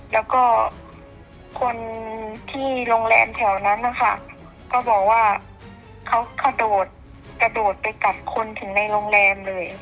แล้วก็คนที่โรงแรมแถวนั้นนะคะก็บอกว่าเขากระโดดกระโดดไปกัดคนถึงในโรงแรมเลย